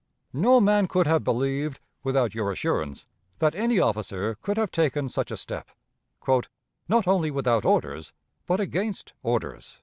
No man could have believed (without your assurance) that any officer could have taken such a step, "not only without orders, but against orders."